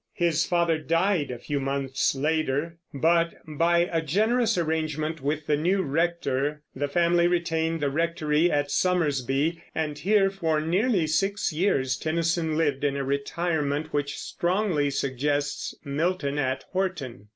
His father died a few months later; but, by a generous arrangement with the new rector, the family retained the rectory at Somersby, and here, for nearly six years, Tennyson lived in a retirement which strongly suggests Milton at Horton.